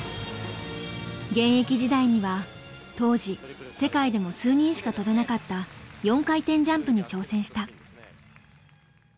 現役時代には当時世界でも数人しか跳べなかった４回転ジャンプに挑戦した。